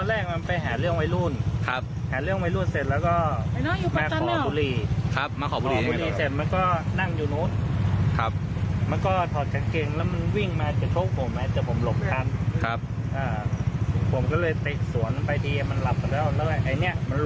ไอ้เนี้ยมันลงมาต่อครับลงมาจะหาเรื่องต่อของเหล็กแหลมก่อน